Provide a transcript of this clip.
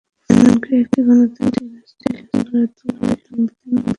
মিয়ানমারকে একটি গণতান্ত্রিক রাষ্ট্র হিসেবে গড়ে তুলতে সংবিধানকে ঢেলে সাজানো হবে।